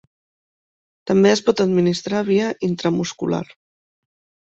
També es pot administrar via intramuscular.